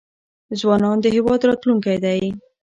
ځوانان د هیواد راتلونکی دی.